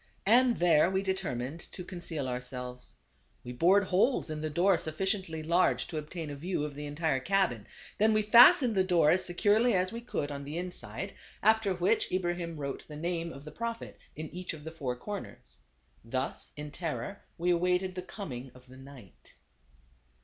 And there we determined to conceal ourselves. We bored holes in the door sufficiently large to obtain a view of the entire cabin, then we fas tened the door as securely as we could on the inside, after which Ibrahim wrote the name of the Prophet in each of the four corners. Thus in terror we awaited the coming of the night.